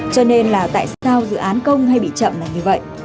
cho nên là tại sao dự án công hay bị chậm là như vậy